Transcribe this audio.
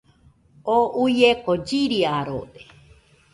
Oo uieko chiriarode.